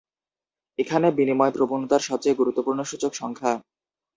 এখানে বিনিময় প্রবণতার সবচেয়ে গুরুত্বপূর্ণ সূচক সংখ্যা।